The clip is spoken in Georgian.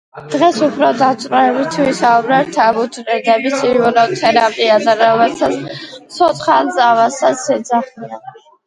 დღეს უფრო დაწვრილებით ვისაუბრებთ ამ უჯრედების იმუნოთერაპიაზე, რომელსაც ცოცხალ წამალსაც ეძახიან.